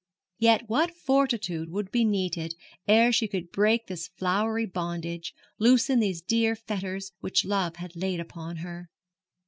Yet what fortitude would be needed ere she could break this flowery bondage, loosen these dear fetters which love had laid upon her!